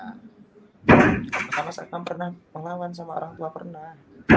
karena saya pernah melawan sama orang tua pernah